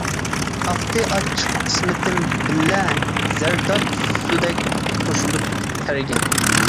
ئاقتى ئاچچىق قىسمىتىم بىللە، زەرداب سۇدەك قوشۇلۇپ تەرگە.